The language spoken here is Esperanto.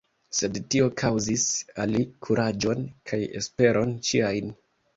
Sed tio kaŭzis al li kuraĝon kaj esperon ĉiajn!